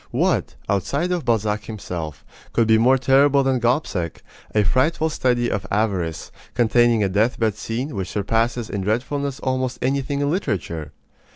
What, outside of Balzac himself, could be more terrible than Gobseck, a frightful study of avarice, containing a deathbed scene which surpasses in dreadfulness almost anything in literature?